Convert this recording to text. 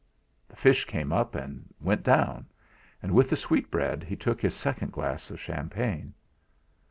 The fish came up, and went down; and with the sweetbread he took his second glass of champagne.